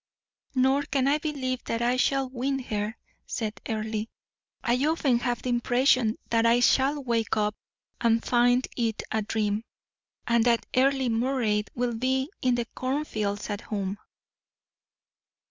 "Nor can I believe that I shall win her," said Earle. "I often have the impression that I shall wake up and find it a dream, and that Earle Moray will be in the cornfields at home."